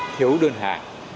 thiếu đơn hàng